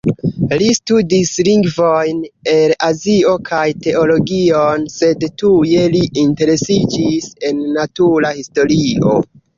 Li studis lingvojn el Azio kaj teologion, sed tuje li interesiĝis en natura historio.